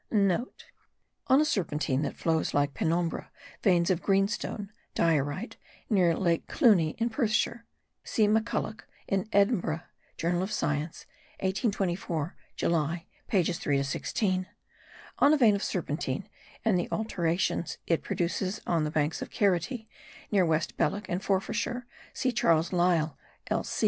(* On a serpentine that flows like a penombre, veins of greenstone (diorite) near Lake Clunie in Perthshire. See MacCulloch in Edinburgh Journal of Science 1824 July pages 3 to 16. On a vein of serpentine, and the alterations it produces on the banks of Carity, near West Balloch in Forfarshire see Charles Lyell l.